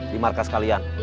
di markas kalian